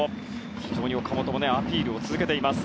非常に岡本もアピールを続けています。